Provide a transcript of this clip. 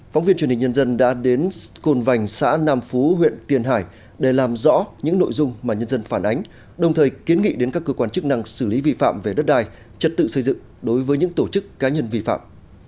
phóng viên truyền hình nhân dân đã đến côn vành xã nam phú huyện tiền hải để làm rõ những nội dung mà nhân dân phản ánh đồng thời kiến nghị đến các cơ quan chức năng xử lý vi phạm về đất đai trật tự xây dựng đối với những tổ chức cá nhân vi phạm